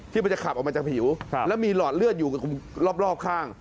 มันจะขับออกมาจากผิวแล้วมีหลอดเลือดอยู่รอบข้าง